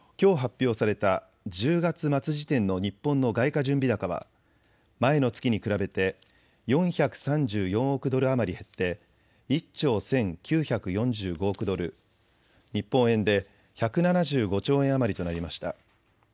一方、きょう発表された１０月末時点の日本の外貨準備高は前の月に比べて４３４億ドル余り減って１兆１９４５億ドル日本円で１７５兆円余りとなりました。